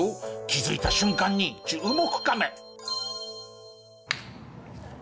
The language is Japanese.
気づいた瞬間に注目カメ。